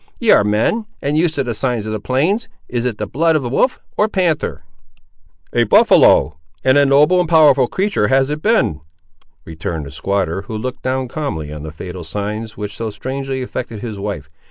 —Ye ar' men, and used to the signs of the plains; is it the blood of wolf or panther?" "A buffaloe—and a noble and powerful creatur' has it been!" returned the squatter, who looked down calmly on the fatal signs which so strangely affected his wife.